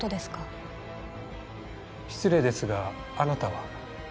失礼ですがあなたは？